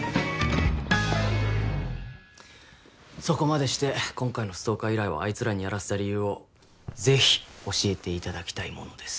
そこまでして今回のストーカー依頼をあいつらにやらせた理由をぜひ教えていただきたいものです。